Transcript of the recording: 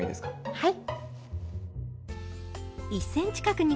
はい。